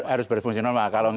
harus berfungsi normal